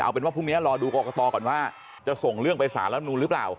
เอาเป็นว่าพรุ่งนี้รอดูกรกตก่อนว่าจะส่งเรื่องไปสารรับนูนหรือเปล่า